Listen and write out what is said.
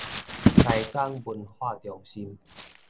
台江文化中心